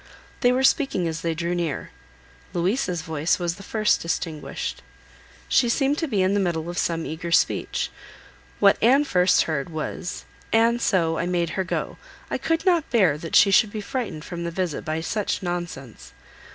They were speaking as they drew near. Louisa's voice was the first distinguished. She seemed to be in the middle of some eager speech. What Anne first heard was— "And so, I made her go. I could not bear that she should be frightened from the visit by such nonsense.